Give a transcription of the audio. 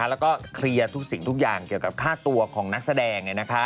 แล้วก็เคลียร์ทุกสิ่งทุกอย่างเกี่ยวกับค่าตัวของนักแสดง